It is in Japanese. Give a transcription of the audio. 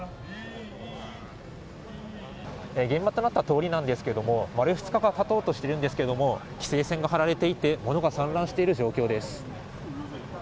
現場となった通りなんですけども丸２日が経とうとしているんですけども規制線が張られていて物が散乱している状況です。